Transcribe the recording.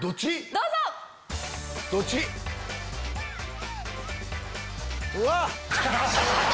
どうぞ！うわっ！